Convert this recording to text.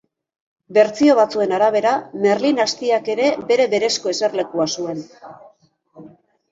Bertsio batzuen arabera, Merlin aztiak ere bere berezko eserlekua zuen.